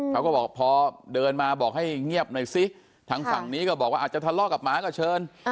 เขาก็บอกพอเดินมาบอกให้เงียบหน่อยสิทางฝั่งนี้ก็บอกว่าอาจจะทะเลาะกับหมาก็เชิญ